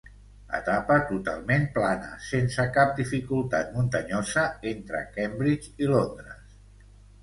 Etapa totalment plana, sense cap dificultat muntanyosa, entre Cambridge i Londres.